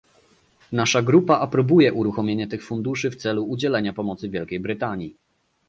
Nasza grupa aprobuje uruchomienie tych funduszy w celu udzielenia pomocy Wielkiej Brytanii